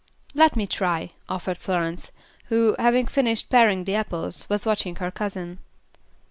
"Let me try," offered Florence, who, having finished paring the apples, was watching her cousin.